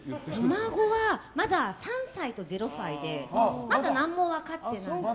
孫はまだ３歳と０歳でまだ何も分かってないです。